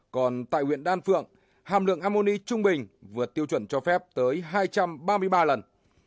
còn tại huyện đan phượng hàm lượng amoni trung bình vượt tiêu chuẩn cho phép tới hai trăm ba mươi ba lần